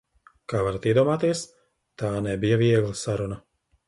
Kā varat iedomāties, tā nebija viegla saruna.